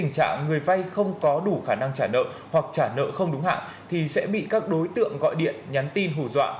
nếu người vai không có khả năng trả nợ hoặc trả nợ không đúng hạng thì sẽ bị các đối tượng gọi điện nhắn tin hủ dọa